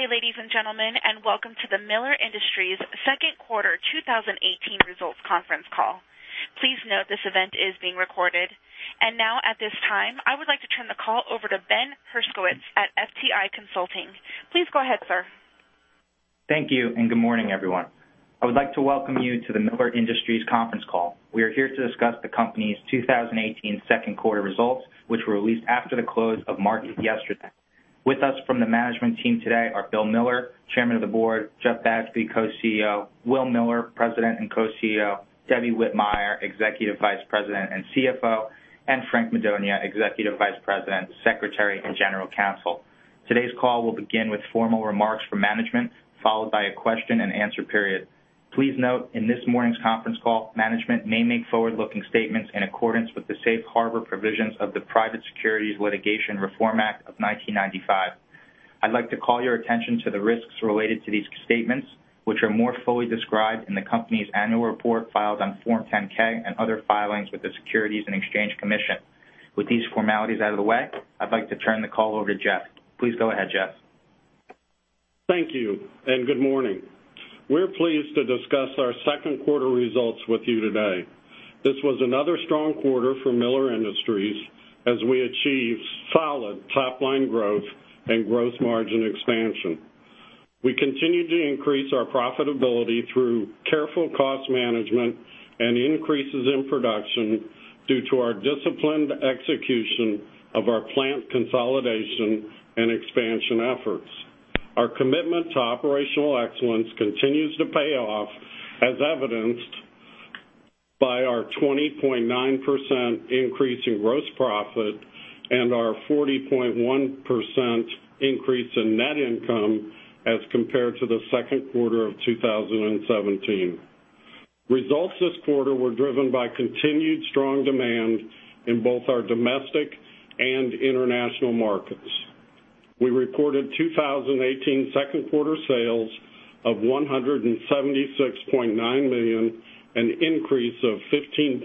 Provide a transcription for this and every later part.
Good day, ladies and gentlemen, and welcome to the Miller Industries second quarter 2018 results conference call. Please note this event is being recorded. Now at this time, I would like to turn the call over to Ben Herskowitz at FTI Consulting. Please go ahead, sir. Thank you. Good morning, everyone. I would like to welcome you to the Miller Industries conference call. We are here to discuss the company's 2018 second quarter results, which were released after the close of market yesterday. With us from the management team today are Bill Miller, Chairman of the Board, Jeff Badgley, Co-CEO, Will Miller, President and Co-CEO, Debbie Whitmire, Executive Vice President and CFO, and Frank Madonia, Executive Vice President, Secretary, and General Counsel. Today's call will begin with formal remarks from management, followed by a question and answer period. Please note in this morning's conference call, management may make forward-looking statements in accordance with the safe harbor provisions of the Private Securities Litigation Reform Act of 1995. I'd like to call your attention to the risks related to these statements, which are more fully described in the company's annual report filed on Form 10-K and other filings with the Securities and Exchange Commission. With these formalities out of the way, I'd like to turn the call over to Jeff. Please go ahead, Jeff. Thank you. Good morning. We're pleased to discuss our second quarter results with you today. This was another strong quarter for Miller Industries as we achieved solid top-line growth and gross margin expansion. We continued to increase our profitability through careful cost management and increases in production due to our disciplined execution of our plant consolidation and expansion efforts. Our commitment to operational excellence continues to pay off, as evidenced by our 20.9% increase in gross profit and our 40.1% increase in net income as compared to the second quarter of 2017. Results this quarter were driven by continued strong demand in both our domestic and international markets. We reported 2018 second quarter sales of $176.9 million, an increase of 15.5%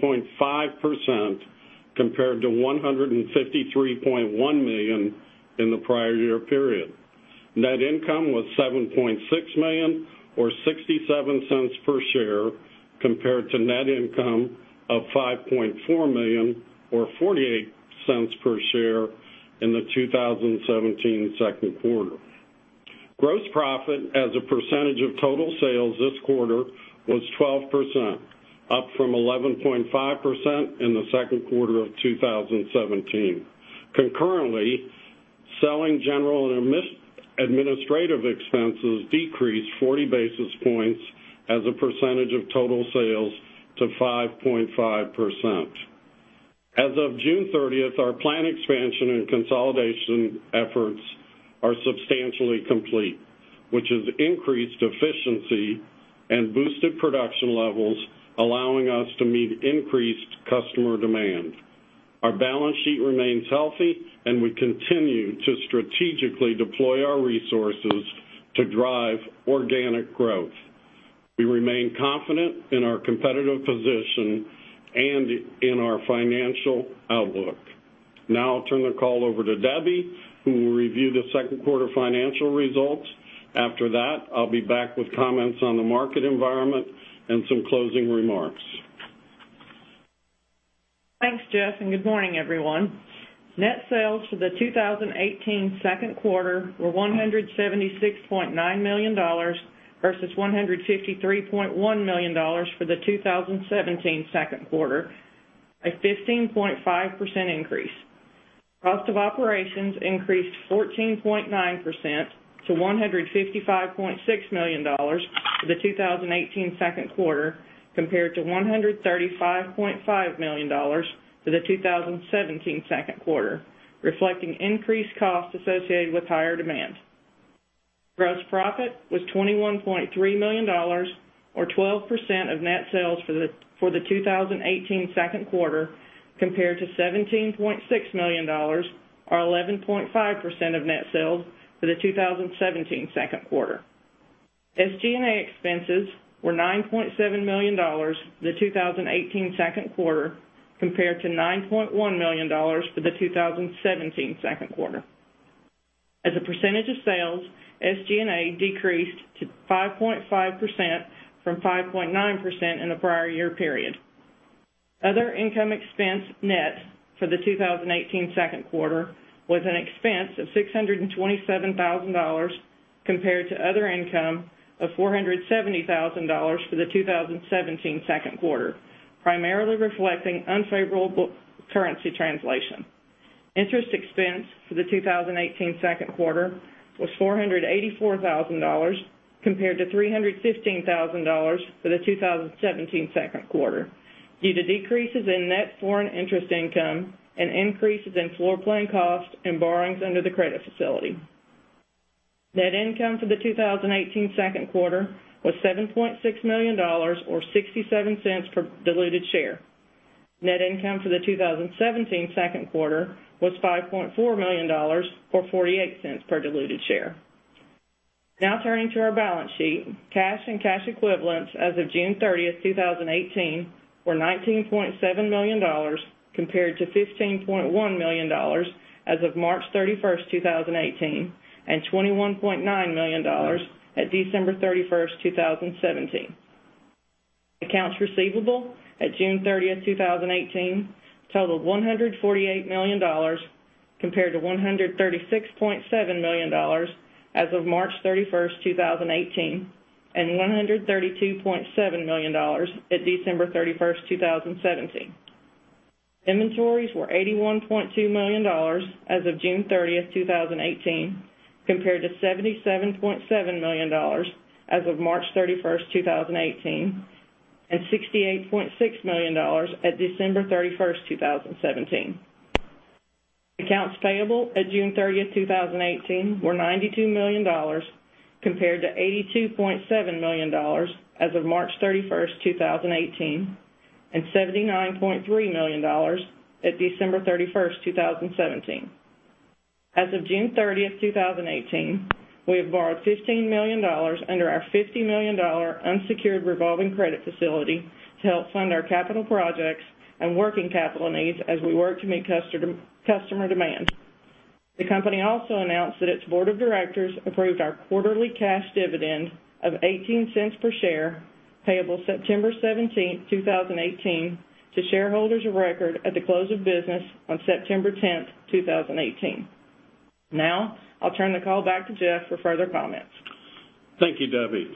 compared to $153.1 million in the prior year period. Net income was $7.6 million or $0.67 per share compared to net income of $5.4 million or $0.48 per share in the 2017 second quarter. Gross profit as a percentage of total sales this quarter was 12%, up from 11.5% in the second quarter of 2017. Concurrently, selling, general, and administrative expenses decreased 40 basis points as a percentage of total sales to 5.5%. As of June 30th, our plant expansion and consolidation efforts are substantially complete, which has increased efficiency and boosted production levels, allowing us to meet increased customer demand. Our balance sheet remains healthy. We continue to strategically deploy our resources to drive organic growth. We remain confident in our competitive position and in our financial outlook. Now I'll turn the call over to Debbie, who will review the second quarter financial results. After that, I'll be back with comments on the market environment and some closing remarks. Thanks, Jeff. Good morning, everyone. Net sales for the 2018 second quarter were $176.9 million versus $153.1 million for the 2017 second quarter, a 15.5% increase. Cost of operations increased 14.9% to $155.6 million for the 2018 second quarter, compared to $135.5 million for the 2017 second quarter, reflecting increased costs associated with higher demand. Gross profit was $21.3 million, or 12% of net sales for the 2018 second quarter, compared to $17.6 million, or 11.5% of net sales for the 2017 second quarter. SG&A expenses were $9.7 million for the 2018 second quarter, compared to $9.1 million for the 2017 second quarter. As a percentage of sales, SG&A decreased to 5.5% from 5.9% in the prior year period. Other income expense net for the 2018 second quarter was an expense of $627,000, compared to other income of $470,000 for the 2017 second quarter, primarily reflecting unfavorable currency translation. Interest expense for the 2018 second quarter was $484,000, compared to $315,000 for the 2017 second quarter due to decreases in net foreign interest income and increases in floorplan cost and borrowings under the credit facility. Net income for the 2018 second quarter was $7.6 million or $0.67 per diluted share. Net income for the 2017 second quarter was $5.4 million or $0.48 per diluted share. Now turning to our balance sheet. Cash and cash equivalents as of June 30th, 2018 were $19.7 million compared to $15.1 million as of March 31st, 2018, and $21.9 million at December 31st, 2017. Accounts receivable at June 30th, 2018 totaled $148 million compared to $136.7 million as of March 31st, 2018, and $132.7 million at December 31st, 2017. Inventories were $81.2 million as of June 30th, 2018 compared to $77.7 million as of March 31st, 2018, and $68.6 million at December 31st, 2017. Accounts payable at June 30th, 2018 were $92 million compared to $82.7 million as of March 31st, 2018, and $79.3 million at December 31st, 2017. As of June 30th, 2018, we have borrowed $15 million under our $50 million unsecured revolving credit facility to help fund our capital projects and working capital needs as we work to meet customer demand. The company also announced that its board of directors approved our quarterly cash dividend of $0.18 per share, payable September 17th, 2018 to shareholders of record at the close of business on September 10th, 2018. Now, I'll turn the call back to Jeff for further comments. Thank you, Debbie.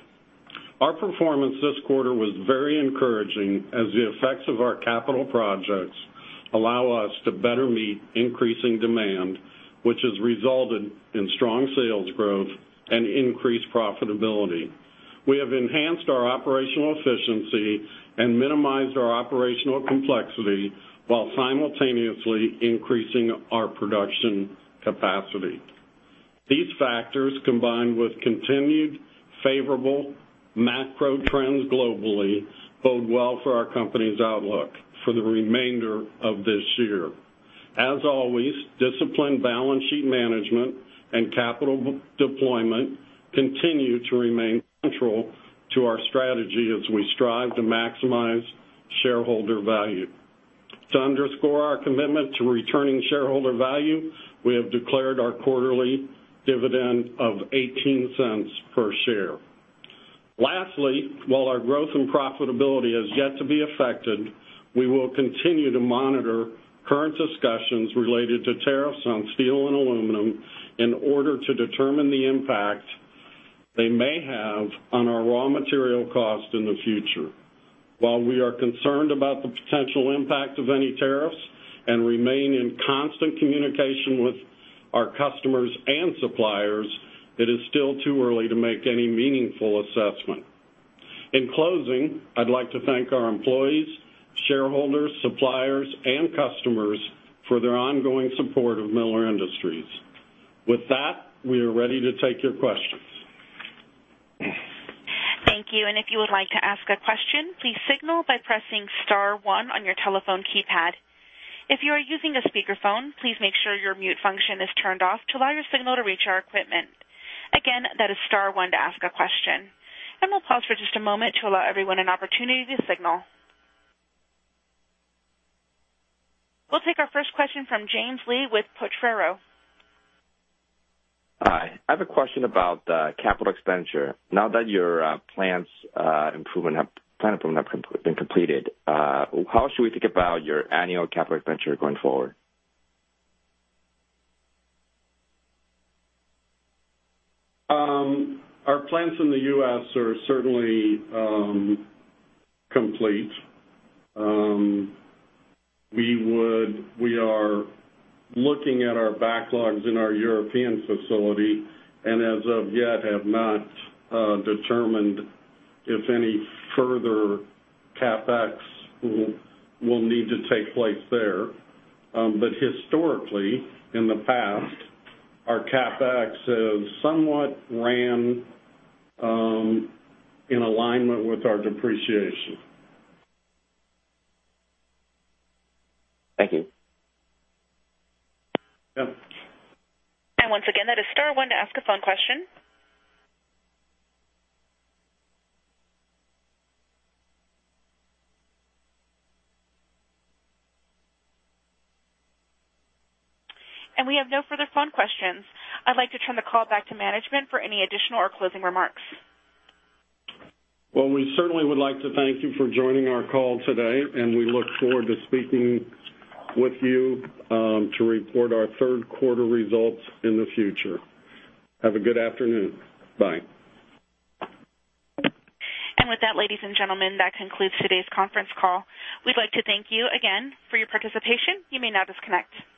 Our performance this quarter was very encouraging as the effects of our capital projects allow us to better meet increasing demand, which has resulted in strong sales growth and increased profitability. We have enhanced our operational efficiency and minimized our operational complexity while simultaneously increasing our production capacity. These factors, combined with continued favorable macro trends globally, bode well for our company's outlook for the remainder of this year. As always, disciplined balance sheet management and capital deployment continue to remain central to our strategy as we strive to maximize shareholder value. To underscore our commitment to returning shareholder value, we have declared our quarterly dividend of $0.18 per share. Lastly, while our growth and profitability has yet to be affected, we will continue to monitor current discussions related to tariffs on steel and aluminum in order to determine the impact they may have on our raw material cost in the future. While we are concerned about the potential impact of any tariffs and remain in constant communication with our customers and suppliers, it is still too early to make any meaningful assessment. In closing, I'd like to thank our employees, shareholders, suppliers, and customers for their ongoing support of Miller Industries. With that, we are ready to take your questions. Thank you. If you would like to ask a question, please signal by pressing star one on your telephone keypad. If you are using a speakerphone, please make sure your mute function is turned off to allow your signal to reach our equipment. Again, that is star one to ask a question. We'll pause for just a moment to allow everyone an opportunity to signal. We'll take our first question from James Lee with Potrero. Hi, I have a question about the capital expenditure. Now that your plant improvement have been completed, how should we think about your annual capital expenditure going forward? Our plants in the U.S. are certainly complete. We are looking at our backlogs in our European facility, and as of yet have not determined if any further CapEx will need to take place there. Historically, in the past, our CapEx has somewhat ran in alignment with our depreciation. Thank you. Yeah. Once again, that is star one to ask a phone question. We have no further phone questions. I'd like to turn the call back to management for any additional or closing remarks. We certainly would like to thank you for joining our call today, and we look forward to speaking with you to report our third quarter results in the future. Have a good afternoon. Bye. With that, ladies and gentlemen, that concludes today's conference call. We'd like to thank you again for your participation. You may now disconnect.